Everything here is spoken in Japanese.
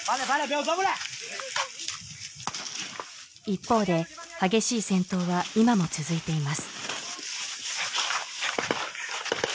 一方で激しい戦闘は今も続いています